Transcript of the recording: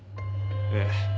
ええ。